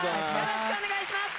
よろしくお願いします！